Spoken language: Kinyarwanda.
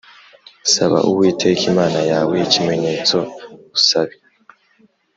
Saba Uwiteka Imana yawe ikimenyetso usabe